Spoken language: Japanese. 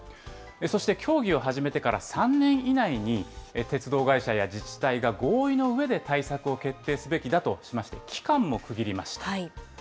そして協議を始めてから３年以内に鉄道会社や自治体が合意のうえで対策を決定すべきだとしまして、期間も区切りました。